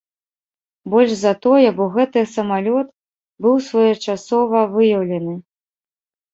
Больш за тое, бо гэты самалёт быў своечасова выяўлены.